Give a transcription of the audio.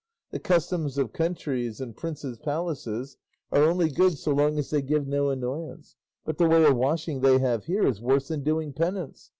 The customs of countries and princes' palaces are only good so long as they give no annoyance; but the way of washing they have here is worse than doing penance.